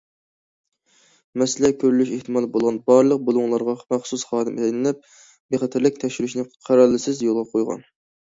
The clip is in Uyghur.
مەسىلە كۆرۈلۈش ئېھتىمالى بولغان بارلىق بۇلۇڭلارغا مەخسۇس خادىم تەيىنلەپ، بىخەتەرلىك تەكشۈرۈشىنى قەرەلسىز يولغا قويغان.